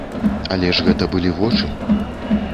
Але ж гэта былі вочы!